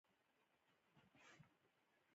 هغه هغې ته د امید سترګو کې صادقانه لید وکړ.